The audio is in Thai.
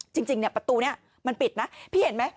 จริงมันปิดนะพี่เห็นมั้ย